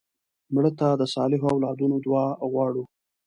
مړه ته د صالحو اولادونو دعا غواړو